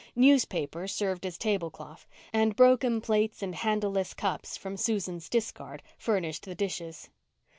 Newspapers served as tablecloth, and broken plates and handleless cups from Susan's discard furnished the dishes.